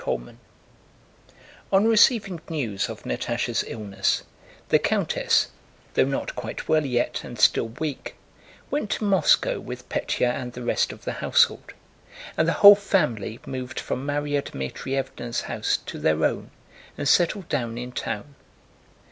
CHAPTER XVI On receiving news of Natásha's illness, the countess, though not quite well yet and still weak, went to Moscow with Pétya and the rest of the household, and the whole family moved from Márya Dmítrievna's house to their own and settled down in town.